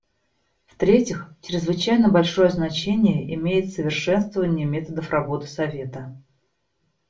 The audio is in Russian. В-третьих, чрезвычайно большое значение имеет совершенствование методов работы Совета.